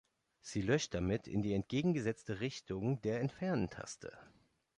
Sie löscht damit in die entgegengesetzte Richtung der Entfernen-Taste.